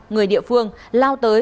người địa phương lao tới